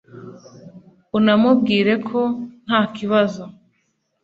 unamubwire ko nta kibazo